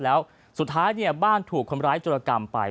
แล้วสุดท้ายเนี่ยบ้านถูกคนร้ายจุรกรรมไป